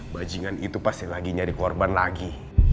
bajingan itu pasti lagi nyari korban lagi